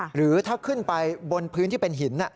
หรือถ้าขึ้นไปบนพื้นที่เป็นหิน